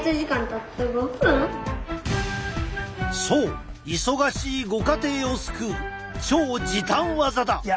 そう忙しいご家庭を救う超時短技だ！